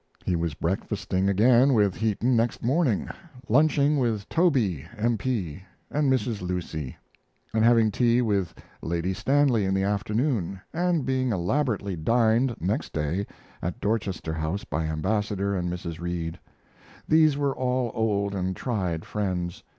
He was breakfasting again with Heaton next morning; lunching with "Toby, M.P.," and Mrs. Lucy; and having tea with Lady Stanley in the afternoon, and being elaborately dined next day at Dorchester House by Ambassador and Mrs. Reid. These were all old and tried friends.